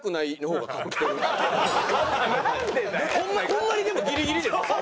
ホンマにでもギリギリですよ。